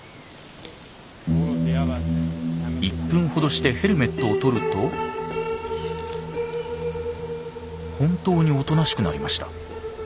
１分ほどしてヘルメットを取ると本当におとなしくなりました。